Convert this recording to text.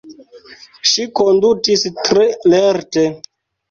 Ŝi kondutis tre lerte.